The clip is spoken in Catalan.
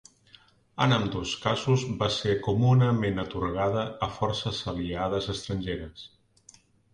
En ambdós casos va ser comunament atorgada a forces aliades estrangeres.